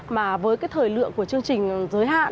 mà với cái thời lượng của chương trình giới hạn